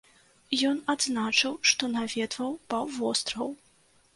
Ён адзначыў, што наведваў паўвостраў.